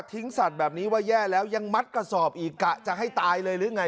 สัตว์แบบนี้ว่าแย่แล้วยังมัดกระสอบอีกกะจะให้ตายเลยหรือไง